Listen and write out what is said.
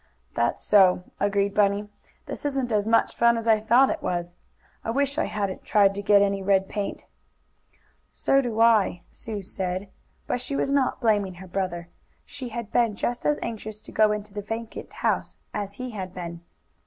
"That's so," agreed Bunny. "This isn't as much fun as I thought it was. I wish I hadn't tried to get any red paint." "So do I," Sue said, but she was not blaming her brother. She had been just as anxious to go into the vacant house as he had been.